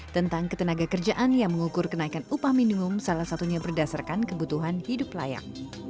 tentang ketenaga kerjaan yang mengukur kenaikan upah minimum salah satunya berdasarkan kebutuhan hidup layak